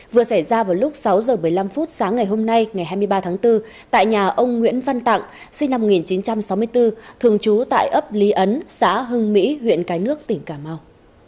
vừa xảy ra vào lúc sáu h một mươi năm phút sáng ngày hôm nay ngày hai mươi ba tháng bốn tại nhà ông nguyễn văn tặng sinh năm một nghìn chín trăm sáu mươi bốn thường trú tại ấp lý ấn xã hưng mỹ huyện cái nước tỉnh cà mau